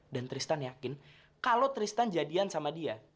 dan tristan yakin kalau tristan jadian sama dia